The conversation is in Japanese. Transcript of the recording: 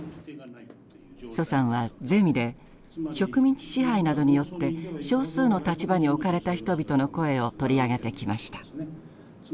徐さんはゼミで植民地支配などによって少数の立場に置かれた人々の声を取り上げてきました。